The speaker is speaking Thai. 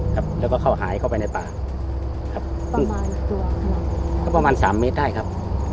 ครับแล้วก็เข้าหายเข้าไปในป่าครับประมาณก็ประมาณสามเมตรได้ครับ